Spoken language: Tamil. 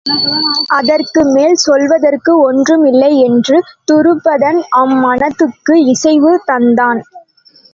அதற்கு மேல் சொல்வதற்கு ஒன்றும்இல்லை என்று துருபதன் அம் மணத்துக்கு இசைவு தந்தான்.